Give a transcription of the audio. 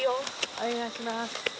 お願いします。